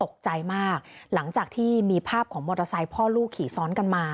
ตกใจมากหลังจากที่มีภาพของมอเตอร์ไซค์พ่อลูกขี่ซ้อนกันมา